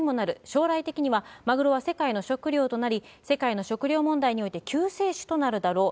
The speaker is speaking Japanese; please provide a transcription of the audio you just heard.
将来的にはマグロは世界の食料となり、世界の食料問題において、救世主となるだろう。